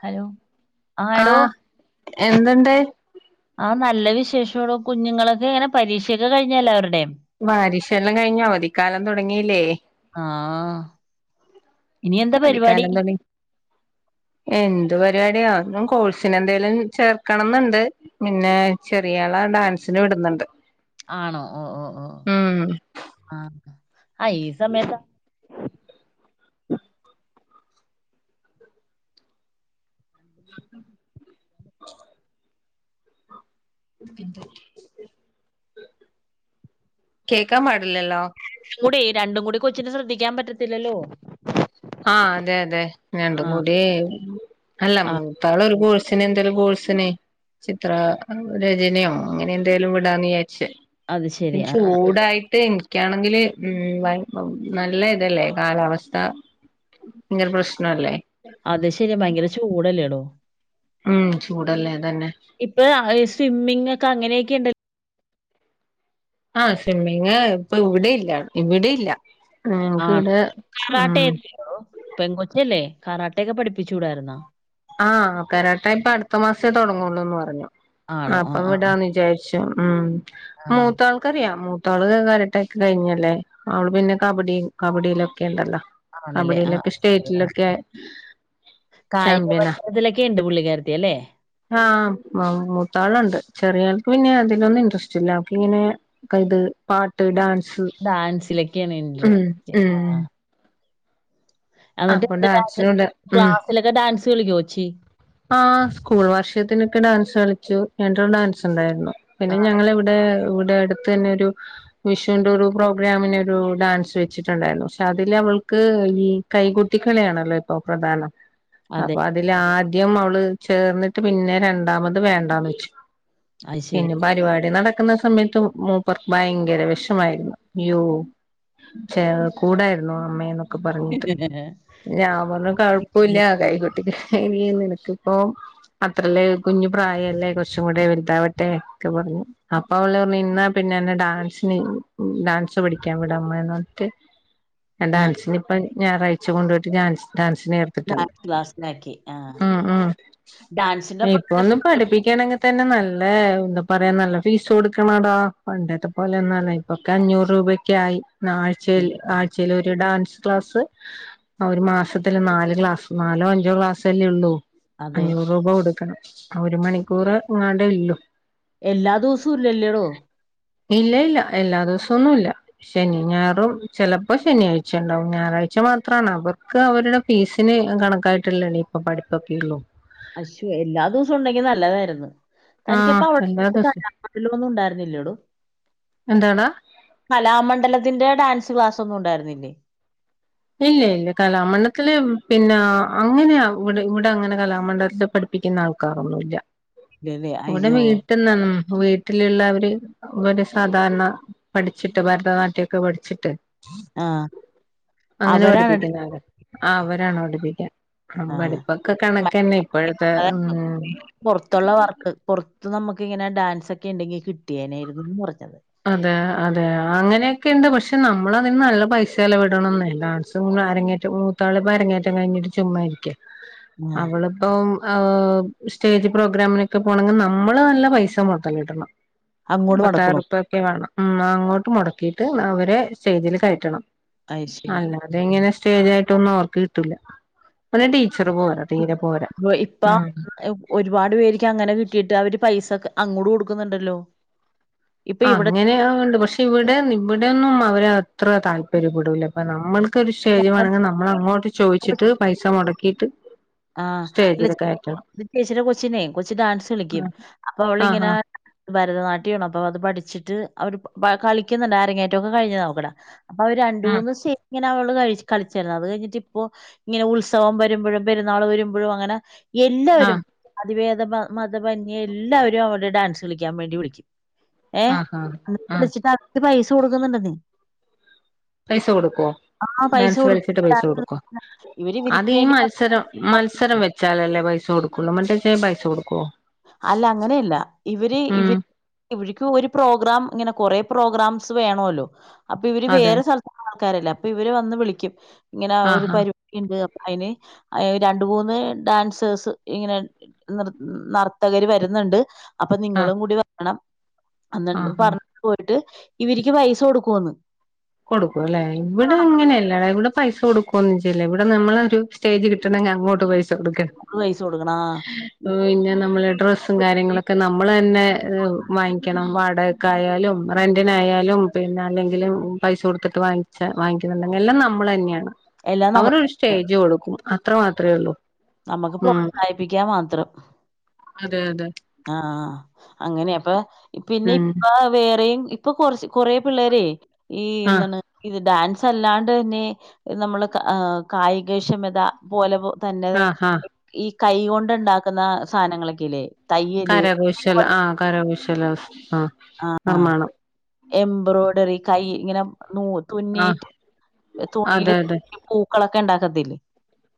Hello ആഹ് എടോ എന്തുണ്ട് നല്ല വിശേഷോടോ കുഞ്ഞുങ്ങളൊക്കെ ഇങ്ങനെ പരീക്ഷൊക്കെ കഴിഞ്ഞഎല്ലാവരുടെം ല്ലാം കഴിഞ്ഞ് അവധിക്കാലം തുടങ്ങിയില്ലേ ആഹ് അവധിക്കാലം തുടങ്ങി എന്ത് എന്ത് പരിപാടിയാ കോഴ്സിന് എന്തേലും ചേർക്കണംന്ന്ണ്ട് പിന്നെ ചെറിയാള ഡാൻസിന് വിട്ന്ന്ണ്ട് ആണോ ഓ ഓ ഓ ആഹ് ആ ഈ സമയത്താണല്ലോ ആ [unintelligible] കേക്കാൻ പാടില്ലല്ലോ കൂടി രണ്ടും കൂടി കൊച്ചിന് ശ്രദ്ധിക്കാൻ പറ്റത്തില്ലല്ലോ ആഹ് അതെ അതെ രണ്ട് ആ കൂടി ഉ [inaudible] അല്ല ആ മൂത്ത ആള് ഒരു കോഴ്സ് ച്ചിനെ എന്തേലും കോഴ്സിനെ ചിത്ര രചനയോ അങ്ങനെ എന്തേലും വിടാന്ന് വിചാരി ച്ചേ അത് ശരി അതിനു ആ ചൂടായിട്ട് ക്കെ ആണെങ്കില് ഉം നല്ല ഇതല്ലേ കാലാവസ്ഥ ഇങ്ങര പ്രശ്നല്ലേ അത് ശരി ഭയങ്കര ചൂടല്ലേടോ ഉം ചൂടല്ലേ തന്നെ ഇപ്പൊ സ്വിമ്മിംഗ ഒക്കെ അങ്ങനെ [unintelligible] ആ സ്വിമ്മിങ് ഇപ്പൊ ഇവിടെ ഇല്ല ഇവിടെ ഇല്ല. ആ ഞങ്ങക്ക് ഇവിടെ കരാട്ടെ ഉം ഇല്ലെ [unintelligible] പെങ്കൊച്ചല്ലേ കാരട്ടെക്കെ പഠിപ്പിചൂടാരുന്നാ ആ കരാട്ടെ ഇപ്പൊ അടുത്ത മാസേ തുടങ്ങുള്ളൂന്ന് പറഞ്ഞു. അ ആണോ ആ അപ്പ ആ ആ വിടാന്ന് വിചാരിച്ചു [unintelligible] ഉം. ആ, മൂത്ത ആൾകറിയം തോള് കരാട്ടൊക്കെ കഴിഞ്ഞല്ലേ അവള് പിന്നെ കബഡി കബഡിയിലൊക്കെ ഉണ്ടല്ലോ ആണല്ലേ ആ കബഡിയിലൊക്കെ അത് ശരി ആ. സ്റ്റേറ്റിലൊക്കെ ചാമ് കായിക പിന്ന പരിശീലനത്തിലൊക്കെ ഉണ്ട് പുള്ളിക്കാരത്തി അല്ലേ ആ മ മൂത്താളുണ്ട് ചെറിയ ആൾക്ക് പിന്നെ അതിലൊന്നും ഇൻട്രസ്റ്റ് ഇല്ല അവക്ക് ഇങ്ങനെ ഇത് പാട്ട്, ഡാൻ- ഡാൻസിലെക്കേണ് ഇൻട്രസ്റ്റ് ഉം ആഹ് അന്നിട്ട് അപ്പൊ [unintelligible] ഡാൻസിനുണ്ട് ഉം ക്ലാസ്സിലൊക്കെ ഡാൻസ് ച്ച് കളിക്കോ ഏച്ചി ആ സ്കൂൾ വാർഷികത്തിനൊക്കെ ഡാൻസ് കളിച്ചു രണ്ട് ഡാൻസ്ണ്ടായിരുന്നു ആ. പിന്നെ ഞങ്ങളെവിടെ ഇവിടെ അടു ത്തന്നെ ഒരു വിഷൂന്റൊരു പ്രോഗ്രാമിനൊരു ഡാൻസ് വെച്ചിട്ടുണ്ടായിരുന്നു പക്ഷെ അതില് അവൾക്ക് ഈ കൈകൊട്ടികളിയാണല്ലോ ഇപ്പോ പ്രധാനം അതെ. അപ്പൊ അതില് ആ ന്ന് അവള് ചേർന്ന്ട്ട് പിന്നെ രണ്ടാമത് വേണ്ടാന്ന് വെച്ചു അത് ശരി. പിന്നെ പരിപാടി നടക്ക്ന്ന സമയ ത്തു മൂപ്പർക്ക് ഭയങ്കര വെഷമായിരുന്നു യ്യോ ച്ചേ കൂടായിരുന്നു അമ്മേന്നൊ ക്ക‌ പറഞ്ഞിട്ട് ഞാൻ പറഞ്ഞു കൊഴപ്പല്ല കൈകൊട്ടി വീയ്ന്ന്‌ പക്ഷെ ഇപ്പൊ അത്രല്ലെ കുഞ്ഞു പ്രായല്ലേ കൊറച്ചു കൂടെ വലുതാവട്ടെ ഒക്കെ പറഞ്ഞു അപ്പ അവള് പറഞ്ഞു ഇന്നാ പിന്നെയന്നെ ഡാൻസിന് ഡാൻസ് പഠിക്കാൻ വിടമ്മേന്ന് പറഞ്ഞിട്ട് ഞാൻ ആ. ഡാൻസിനിപ്പ ഞായറാഴ്ച കൊണ്ടുവിട്ട് ഡാൻസ് ഡാൻസിന് ചേർത്തിട്ടുണ്ട് നാല് ക്ലാസിലാക്കി ആഹ് ഉം ഉം തന്നെ ഇപ്പൊന്നും പാട്ടും പഠിപ്പിക്കാനങ്ങതന്നെ ന ല്ലെ എന്താ പറയാ നല്ല ഫീസ് കൊടുക്കണടാ പണ്ടത്തെ പോലൊന്നല്ല ഇപ്പൊക്കെ അഞ്ഞൂറ് രൂപൊക്ക ആയി പഠി ആഴ്ചേൽ ആഴ്ചേൽ ഒരു ഡാൻസ് ക്ലാസ് ഒരു മാസത്തില് നാല് ക്ലാസ് നാലോ അഞ്ചോ ക്ലാസ് അല്ലേ ഉള്ളൂ അതെ. അഞ്ഞൂറ് രൂപ കൊടുക്കണം ഒരു മണിക്കൂർ ഇങ്ങാണ്ടേ ഇള്ളൂ എല്ലാ ദിവസവും ഇല്ലല്ലേടോ ഇല്ല ഇല്ല എല്ലാ ദിവസൊന്നും ഇല്ല ശനി ഞായറും ചെലപ്പോ ശനിയാഴ്ച ഉണ്ടാവും ഞായറാഴ്ച മാത്രമാണ് അവർക്ക് അവരുടെ ഫീസിന് കണക്കായിട്ടുള്ളണി അപ്പൊ പഠിപ്പൊക്കെ ഉള്ളൂ അശൂ എല്ലാ ദിവസം ഉണ്ടെങ്കി നല്ലതായിരുന്നു ആഹ് തനിക്കിപ്പോ അവിടെ എല്ലാ ദിവസവും [unintelligible] ന്നും ഉണ്ടായിരുന്നില്ലേടൊ എന്താടാ കലാമണ്ഡലത്തിന്റെ ഡാൻസ് ക്ലാസ് ഒന്നും ഉണ്ടായിരുന്നില്ലേ ഇല്ല ഇല്ല കലാമണ്ഡത്തില് പിന്നെ അങ്ങനെയ ഇവിടെ ഇവിടെ അങ്ങനെ കലാമണ്ഡലത്തില് പഠിപ്പിക്കുന്ന ആൾക്കാാരൊന്നുമില്ല ഇല്ലല്ലേ! ഇവിടെ അയ്യോ! വീട്ടീന്നെന്നും വീട്ടിലുള്ളവര് ഒരു സാധാരണ പഠിച്ചിട്ട് ഭരതനാട്യോക്കെ പഠിച്ചിട്ട് ആഹ് അങ്ങനെ പഠിപ്പിക്കുന്ന ആകെ ആ അവരാണോ പഠിപ്പിക്ക ആ പഠിപ്പൊക്കെ കണക്കന്നെ ഇപ്പോഴത്തെ ആ. ഉം പുറത്തുള്ള വർക്ക് പുറത്ത് നമുക്ക് ഇങ്ങനെ ഡാൻസൊക്കെ ണ്ടെങ്കി കിട്ടിയേനേയിരുന്നൂന്ന് കൊ അതെ അതെ അങ്ങനെയൊക്കെ ഉണ്ട് പക്ഷെ നമ്മളതിന് നല്ല പൈസ ചിലവിടണമെന്നേ ഡാൻസും അരങ്ങേറ്റവും മൂത്താളിപ്പം അരങ്ങേറ്റം കഴിഞ്ഞിട്ട് ചുമ്മാരിക്കാ ആഹ് അവളിപ്പം ആ സ്റ്റേജ് പ്രോഗ്രാമിനൊക്കെ പോണെങ്കി നമ്മള് നല്ല പൈസ മുതൽ ഇടണം അങ്ങോട്ട് മൊടക്കണോ വേണം ഉം അങ്ങോട്ട് മുടക്കിയിട്ട് അവരെ സ്റ്റേജില് കയറ്റണം അയ്ശരി. അല്ലാതെങ്ങനെ സ്റ്റേജ് ട്ടൊന്നും അവർക്ക് കിട്ടുല്ല ഇപ്പ ഉം ഒരുപാട് പേര്ക്ക് അങ്ങനെ കിട്ട വീട്ടുകാര് പൈസെ അങ്ങോട്ട് കൊടുക്കുന്നുണ്ടല്ലോ ഇപ്പൊ ഇവിടെ അങ്ങനെ ഉണ്ട് പക്ഷെ ഇവിടെ ഇവിടെയൊന്നും അവരെ അത്ര താല്പര്യപ്പെടുല അപ്പ നമ്മള് ക്കൊരു സ്റ്റേജിമെറണങ്കി ഞങ്ങ- നമ്മള ങ്ങോട്ട് ചോദിച്ചിട്ട് പൈസ മുട കേട്ട് ആ അല്ല ചേച്ചി കൊച്ചിനെ കൊച്ച് ഡാൻസ് കളിക്കും അപ്പൊ അവളിങ്ങനെ ആഹ് ഭരതനാട്യമാണ് അപ്പൊ അത് പഠിച്ചിട്ട് അവര് കളിക്കുന്നുണ്ട് അരങ്ങേറ്റ ഒക്കെ കഴിഞ്ഞ് അവക്കടെ അപ്പൊ അവ രണ്ടു ആഹ് മൂന്ന് സ്റ്റേ ഇങ്ങനെ അവള് കഴി കളിച്ചതാ അത് കഴിഞ്ഞിട്ട് ഇപ്പോ ഇങ്ങനെ ഉത്സവം വരുമ്പഴും പെരുന്നാൾ വരുമ്പോഴും അങ്ങനെ ആഹ് ആഹ് എല്ലാവരും മതിവേദ മതഭമന്യ എല്ലാവരും അവടെ ഡാൻസ് കളിക്കാൻ വേണ്ടി വിളിക്കും ഏ ആഹ് ആഹ് അ ആഹ് വിളിച്ചിട്ട് അക്ക് പൈസ കൊടുക്കുന്നുണ്ട നേ പൈസ കൊടുക്കുവോ ആഹ് പൈസ ഡാൻസ് കൊടുക്കും കളിച്ചിട്ട് പൈസ കൊടുക്കുവോ ഇവര് ഇവർക്ക് അതി ഈ വേണ്ടി മത്സര മത്സ കളിക്കും. മത്സരം വെച്ചാലല്ലേ പൈസ കൊടുക്ക [unintelligible] പൈസ കൊടുക്കുവോ അല്ല അങ്ങനെയല്ല ഇവര് ഇവ ഉം ഇവക്ക് ഒരു പ്രോഗ്രാം ഇങ്ങനെ കൊറെ പ്രോഗ്രാംസ് വേണല്ലോ അപ്പൊ ഇവര് അതെ വേറെ സ്ഥലത്തുള്ള ആൾക്കാരല്ലേ അപ്പൊ ഇവര് വന്ന് വിളിക്കും ഇങ്ങനെ ആ ഒരു ആഹാ പരിപാടി ഉണ്ട് അയിന് രണ്ടു മൂന്ന് ഡാൻസേഴസ് ഇങ്ങനെ നീർ നർ അവര് വരുന്നുണ്ട് അപ്പൊ ആഹ് നിങ്ങളും കൂടി വെരണം അന്ന് ആഹാ പറഞ്ഞിട്ട് പോയിട്ട് ഇവരിക്ക് പൈസ കൊടുക്കുവന്ന് കൊടുക്കും അല്ലേ ഇവിടെ അങ്ങനെയല്ലടെ പൈസ കൊടുക്കുവൊന്നും ചെയ്യില്ല ഇവിടെ നമ്മള് ഒരു സ്റ്റേജ്കിട്ടണെിൽ അങ്ങോട്ട് പോയി പൈസ കൊടുക്കണം ആ പിന്നെ നമ്മള് ഡ്രസ്സും കാര്യങ്ങളൊക്കെ നമ്മൾ തന്നെ വാങ്ങിക്കണം വാട ക്കായാലും റെന്റിന് അയാലും പിന്നെ അല്ലെങ്കിലും പൈസ കൊടുത്തിട്ട് വാങ്ങിച്ച വാങ്ങിക്കുന്നുണ്ടെിൽ എല്ലാം നമ്മൾ തന്നെയാണ് എല്ലാം നമ്മള് അവരൊരു സ്റ്റേജ് കൊടുക്കും അത്ര മാത്രമേ ഉള്ളൂ നമ്മക്ക് ഉം പ്രോത്സാഹിപ്പിക്കാൻ അതെ അതെ ആ അങ്ങനെ അപ്പൊ പിന്നെ ഉം ഇപ്പ വേറെയും ഇപ്പൊ കൊറച്ച് കൊറെ പിള്ളേരെ ഈ ആഹ് എന്താണ് ഇത് ഡാൻസ് തല്ലാണ്ട് തന്നെ നമ്മള് കായികക്ഷമത പോലെ തന്നത് ആഹ് ആഹ് ഈ കൈ കൊണ്ട് ഉണ്ടാക്കുന്ന സാധനങ്ങളൊക്കെല്ലേ? തയ്യല് കരകൗശല ആ കരകൗശ [unintelligible] ആ നിർമാണം എംബ്രോയ്ഡറി കൈ ഇങ്ങന നൂ ആഹ് തുന്നീറ്റ്. തുണീല് അതെ കുഞ്ഞ് പൂക്കളക് ഒക്കെ ഉണ്ടാക്കത്തില്ലേ?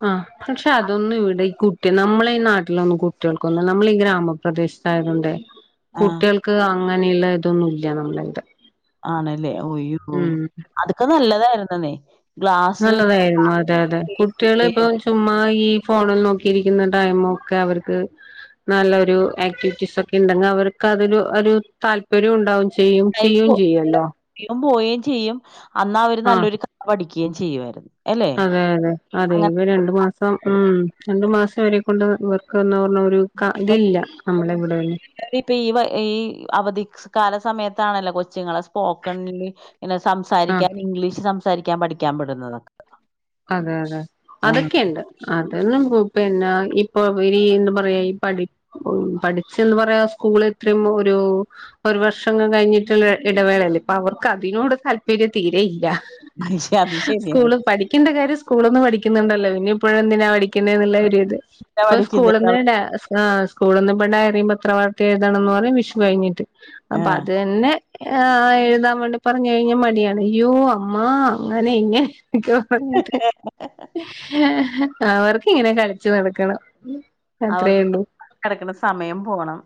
ആ പക്ഷെ അതൊന്നും ഇവിടെ ഈ കുട്ടി നമ്മളെ ഈ നാട്ടിലൊന്നും കുട്ടികൾക്കൊന്ന് നമ്മളീ ഗ്രാമപ്രദേശത്തായതോണ്ടേ ആഹ് കുട്ടികൾക്ക് ആ അങ്ങനെയുള്ള ഇതൊന്നും ഇല്ല. നമ്മൽത് ആണല്ലേ ഒയ്യോ അതൊക്കെ നല്ലതായിരുന്നെന്നെ. നല്ലതായിരുന്നു അതെ അതെ കുട്ടികള് ഇപ്പം ചുമ്മാ ഈ ഫോണിൽ നോക്കിയിരിക്കുന്ന ടൈമൊക്കെ അവർക്ക് നല്ലൊരു ആക്ടിവിറ്റീസ് ഒക്കെ ഉണ്ടെങ്കെ അവർക്ക് അതൊരു ഒരു താല്പര്യം ഉണ്ടാവും ചെയ്യും. ചെയ്യും ചെയ്യല്ലോ പോയേ ചെയ്യും അന്നാ അവര് നല്ലൊരു ക വടി ക്യേം ചെയ്യുആര്ന്നു. അതെ അതെ അതെ ഇവ രണ്ടു മാസം ഉം രണ്ടു മാസം വരെ കൊണ്ട് വർക്ക് ഒന്നൊ പ്പം ഈ പ്പ ഈ അവധി കാല സമയത് ത്താണല്ലോ കൊച്ചുങ്ങള സ് പോക്കണ്ല് ഇങ്ങനെ ആഹ് സംസാരിക്കാൻ ഇംഗ്ലീഷ് സംസാ സംസാരിക്കാൻ പഠിക്കാൻ വിടുന്നതൊക്ക അതെ അതെ അതൊക്കെയുണ്ട് അതെല്ലം പു പെന്നെ ഇപ്പൊ ഇനി എന്താ പറയാ ഈ പഠി പഠിച്ച് എന്ത് പറയാ? സ്കൂള് ഇത്രയും ഒരു ഒരു വർഷം കഴിഞ്ഞിട്ടുള്ള ഇടവേളയല്ലേ ഇപ്പൊ അവർക്ക് അതിനോട് താല്പര്യം തീരെയില്ല. ഐശേ അത് ശരിയാണ് സ്കൂള് പഠിക്കേണ്ട കാര്യം സ്കൂളിന്നും പഠിക്കുന്നുണ്ടല്ലോ പിന്നെ ഇപ്പോഴെന്തിനാ പഠിക്ക [unintelligible] ഇത് ഇപ്പം പഠിക്കുന്നേ സ്കൂളിന്ന് ഡാം ആ സ്കൂളിന്ന് ഇപ്പം ഡയറി പത്രവാർത്ത എഴുതണെന്ന് പറയു. വിഷു കഴിഞ്ഞിട്ട് അപ്പൊ ആഹ് അത് തന്നെ ആ എഴുതാൻ വേണ്ടി പറഞ്ഞ കഴിഞ്ഞ മടിയാണ്യ്യോ ആ അങ്ങനെ ഇങ്ങെ [unintelligible] അവർക്ക് ഇങ്ങനെ കളിച്ചു നടക്കണം അത്രേ അവർക്ക് ഉള്ളൂ കിടക്കണ സമയം പോണം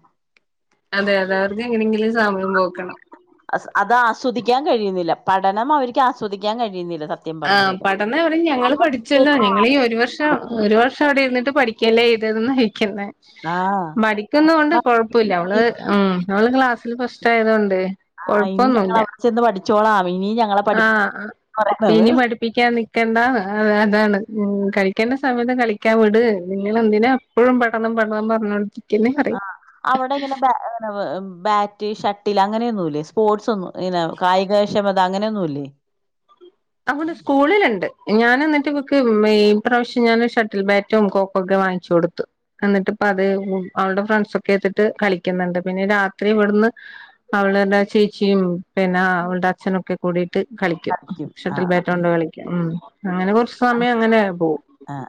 അതെ അതെ അവർക്ക് എങ്ങനെങ്കിലും സമയം പോക്കണം അത് ആസ്വദിക്കാൻ കഴിയുന്നില്ല പഠനം അവർക്ക് ആസ്വദിക്കാൻ കഴിയുന്നില്ല സത്യം ആ പറഞ്ഞത് പടന്ന് [unintelligible] ഞങ്ങള് പഠിച്ചല്ലോ ഞങ്ങളീ ഒരു വർഷം ഒരു വർഷം അവിടെ ഇരുന്നിട്ട് പഠി [unintelligible] ആഹ് മടിക്കുന്ന കൊണ്ട് കൊഴപ്പില്ല അവള് ആഹ് ഉം അവള് ക്ലാസ്സില് ഫസ് ഭേദവൊണ്ട് തേ കൊഴപ്പൊന്നുവില്ല ച്ചോളാം ആ ഇനി പഠിപ്പിക്കാൻ നിക്കണ്ടാന്ന അതാണ് ഉം കളിക്കേണ്ട സമയത്ത് കളിക്കാൻ വിട് നിങ്ങൾ എന്തിനാ എപ്പഴും പഠനം പഠനം പറഞ്ഞോണ്ടിരി ആ അവിടെ എങ്ങനെ ആ ബാ റ്റ് ഷട്ടിൽ അങ്ങനെയൊന്നുമില്ലേ സ്പോർട്സ് ഒന്നും ഇങ്ങനെ കായിക ക്ഷമത അങ്ങനെയൊന്നുമില്ലേ ഒണ്ട് സ്കൂളിലുണ്ട് ഞാൻ എന്നിട്ട് ഇവക്ക് മെയിൽ ഇപ്രാവശ്യം ഞാൻ ഷട്ടിൽ ബാറ്റും കോക്കും ഒക്കെ വാങ്ങിച്ചു കൊടുത്തു എന്നിട്ട് ഇപ്പം അത് അവളുടെ ഫ്രണ്ട്സൊക്കെ എത്തിട്ട് കളിക്കുന്നുണ്ട് പിന്നെ രാത്രി ഇവിടുന്ന് അവളുടെ ചേച്ചിയും പിന്നെ അവളുടെ അച്ഛനൊക്കെ കൂടീ ട്ട് കളിക്കും ഷട്ടിൽ ബാറ്റൊണ്ട് കളിക്കാം ഉം അങ്ങനെ കുറച്ച് സമയം അങ്ങനെ പോകും ആഹ്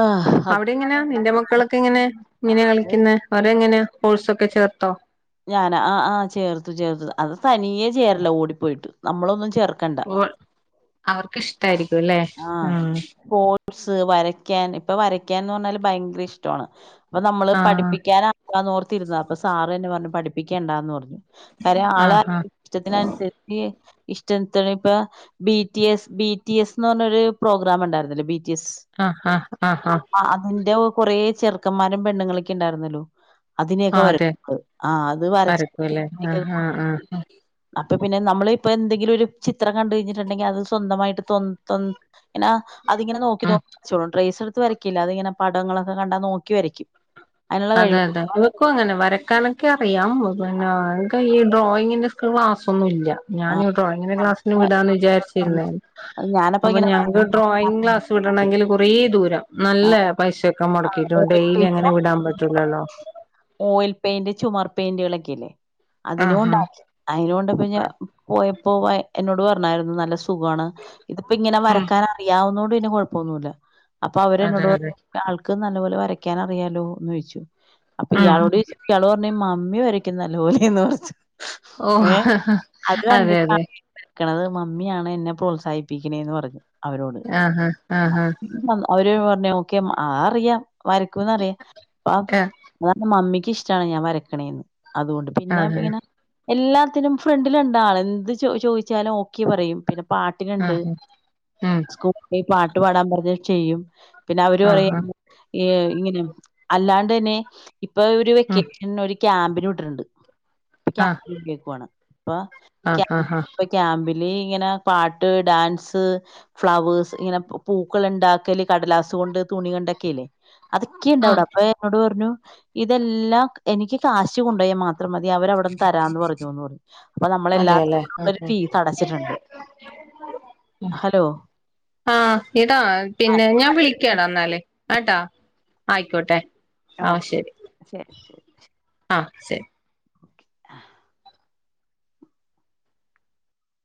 ആഹ് ആഹ് ആഹ് അത് അവിടെ എങ്ങനെയാ നിന്റെ മക്കളൊക്കെ എങ്ങനെ ഇങ്ങനെയാ ആഹ് അത് കളിക്കുന്ന അവിരെങ്ങനെയാ കോഴ്സ് ഒക്കെ ചേർത്തോ ഞാനാ ആ ആ ചേർത്തു ചേർത്തു അത് തനിയെ ചേരല്ല ഓടിപ്പോയിട്ട് നമ്മളൊന്നും ചേർ ക്കണ്ട അവർക്ക് ഇഷ്ടായിരിക്കും ആ സ്പോർട്സ് വരക്കാൻ ഇപ്പൊ വരക്ക ക്കാൻന്ന് പറഞ്ഞാല് ഭയങ്കര ഇഷ്ടമാണ് അപ്പൊ നമ്മള് ആ ആ പഠിപ്പിക്കാനാ താന്ന് ഓർത്തിരുന്ന അപ്പ സാർ തന്നെ പറഞ്ഞു പഠിപ്പിക്കണ്ടാന്ന് പറഞ്ഞു കാര്യം ആള ആഹാ ഇഷ്ടത്തിനനുസരിച്ച് ഇഷ്ടത്തിനിപ്പ B T S B T S ന്ന് പറഞ്ഞ് ഒരു പ്രോഗ്രാം ഉണ്ടായിരുന്നില്ലേ ബി ആഹാ ആഹാ ആ അതിന്റെ കൊറേ ചെറു ക്കമാരും പെണ്ണുങ്ങളൊക്കെ ഉണ്ടായിരുന്നല്ലോ അതിനെയൊക്കെ ആഹ് അതെ വരക്കും ആഹ് അത് വരക്കുല്ലേ ആഹ് ആഹ് ആഹ് ഇപ്പ പിന്നെ നമ്മള് ഇപ്പോ എന്തെങ്കിലും ഒരു ചിത്രം കണ്ട് കഴിഞ്ഞിട്ടുണ്ടെങ്കി അത് സ്വന്തമായിട്ട് തൊ സ്വൻ പിന്നെ അതിങ്ങനെ നോക്കി ഉം നോക്കി വരച്ചോളും ട്രേസ് പത്ത് വരക്കില്ല അത് ഇങ്ങനെ പടങ്ങളൊക്കെ കണ്ടാ നോക്കി വരക്കും. അതെ അതെ അവക്കും അങ്ങനെ വര ക്കാനൊക്കെ അറിയാം. അപ്പ പിന്ന കൈ ഡ്രോയിങ്ങിന്റെ സ് ക്ലാസ് ഒന്നുല്ല. ഞാൻ ഡ്രോയിങ്ങിന്റെ ക്ലാസ്സിന് വിടാന്ന് വിചാരിച്ചിരുന്നെ ഞാനപ്പ അപ്പൊ ഇങ്ങനെ ഞങ്ങക്ക് ഡ്രോയിങ്ങ് ക്ലാസ് വിടണെങ്കിൽ കൊറേ ദൂരം ആ നല്ലയാ പക്ഷെ ക്ക ആ മുടക്കിട്ട് ഓയിൽ ഡെയിലി പെയിന്റോ അങ്ങനെ വിടാൻ പ ഓയിൽ പെയിന്റ് ചുമ പെയിന്റുകളൊക്കെ ഇല്ലേ അതിന് ആഹ് കൊണ്ടാക്കി അതിന് കൊണ്ട് ആഹ് പോയപ് പോവാൻ എന്നോട് പറഞ്ഞായിരുന്നു നല്ല സുഖാണ് ഇതിപ്പോ ഇങ്ങനെ ഉം വരക്കാൻ അറിയാവുന്നോണ് പിന്നെ കുഴപ്പമൊന്നുമില്ല. അപ്പ അതെ അവരെന്നോടു അതെ പറഞ്ഞു ആൾക്ക് നല്ലപോലെ വരയ്ക്കാൻ അറിയാലോ എന്ന് ചോദിച്ചു. അപ്പോ ഉം ഇയാളോട് ചോയിച്ചപ്പോ ഇയാൾ പറഞ്ഞ് മ മ്മി വരയ്ക്കും നല്ലോലേന്ന് പറഞ്ഞ്. ഓ അതെ അതെ. ക്കണത് മമ്മിയാണ് എന്നെ പ്രോത്സാഹിപ്പിക്കണേന്ന് പറഞ്ഞു. അവരോട് ആഹ് ആഹ് അവര് [unintelligible] ക്കും ആ അറിയാം. വരയ്ക്കൂന്നറിയാ അപ്പ ആഹ് അതാ മമ്മിക്ക് ക്ക്‌ ഇഷ്ടാണ് ഞാൻ വരക്കണേന്ന്. ‌അതുകൊണ്ട് പിന്നെ ഇപ്പോ ആഹ് ഇങ്ങനെ എല്ലാത്തിനും ഫ്രണ്ടിൽ ഉണ്ടാള് എന്ത് ചോ ചോദിച്ചാലും ഓക്കെ പറയും പിന്നെ പാട്ടിനുണ്ട് ആഹ് ആഹ് ഉം സ്കൂളി പാട്ട് പാടാൻ പറഞ്ഞാ ചെയ്യും. പിന്നെ അവര് പറയ ആഹ് ആഹ് ഏ ഇങ്ങനെ അല്ലാണ്ട് തന്നെ ഇപ്പൊ ഒരു ഉം വെക്കേഷൻ ക്യാമ്പിന് വിട്ടിട്ടുണ്ട് ആഹ് കേൾക്കുവാണ് ആഹ് [unintelligible] ആഹ് ഇങ്ങനെ പാട്ട് ഡാൻസ് ഫ്ലവേഴസ് ഇങ്ങനെ പൂക്കൾ ഉണ്ടാക്കല് കടലാസ് തുണി കണ്ടക്കെല്ലേ അതൊക്കെയുണ്ടവിടെ ആഹ് അപ്പൊ എന്നോട് പറഞ്ഞു ഇതെല്ലാം എനിക്ക് കാശ കൊണ്ടപോൽ മാത്രം മതി അവരവിടുന്ന് തരാന്ന് പറഞ്ഞുന്ന് പറ അപ്പൊ നമ്മളെല്ലാന അതെല്ലേ ആഹ് ഫീസ് അടച്ചിട്ടുണ്ട് ഹലോ [unintelligible] ആഏട്ടാ ആയിക്കോട്ടെ ഓക്കെ ശരി [inaudible] ആ ശരി [inaudible]